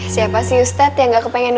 siapa sih ustadz yang gak kepengen